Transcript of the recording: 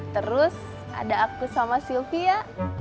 terus ada aku sama sylvia